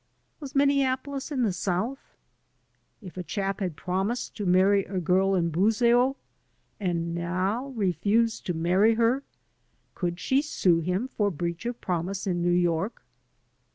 Was Minneapolis in the South? If a chap had promised to marry a girl in Buzeu and now refused to marry her, could she sue him for breach of promise in New York?